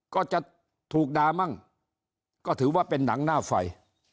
ก็จะถูกด่ามั่งก็ถือว่าเป็นหนังหน้าไฟ